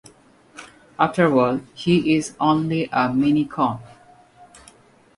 After all, he's only a Mini-Con.